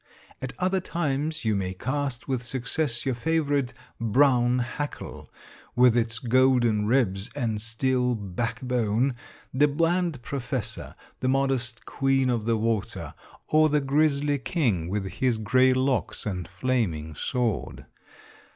At other times you may cast with success your favorite 'brown hackle' with its golden ribs and steel backbone the bland professor, the modest queen of the water, or the grizzly king with his gray locks and flaming sword.